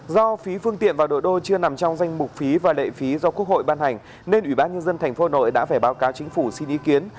do phí phương tiện vào nội đô chưa nằm trong danh mục phí và lệ phí do quốc hội ban hành nên ủy ban nhân dân tp hà nội đã phải báo cáo chính phủ xin ý kiến